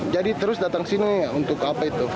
jadi terus datang sini untuk apa itu